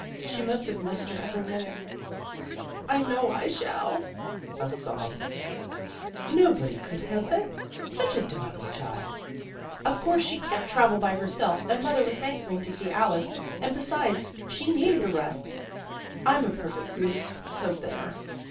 She must have missed her every minute. I know I shall." A sob. 219 220 THE GIRLS OF FRIENDLY TERRACE " Nobody could help it. Such a darling child!" " Of course she can't travel by herself, and mother was hankering to see Alice, and, be sides, she needed a rest. I'm a perfect goose, so there!